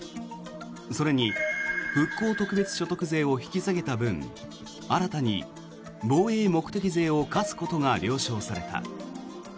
それに復興特別所得税を引き下げた分新たに防衛目的税を課すことが了承された。